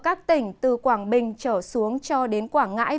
các tỉnh từ quảng bình trở xuống cho đến quảng ngãi